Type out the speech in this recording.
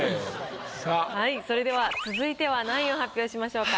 それでは続いては何位を発表しましょうか？